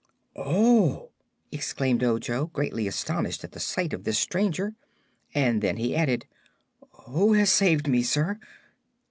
"Oh!" exclaimed Ojo, greatly astonished at the sight of this stranger; and then he added: "Who has saved me, sir?"